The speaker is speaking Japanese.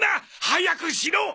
早くしろ！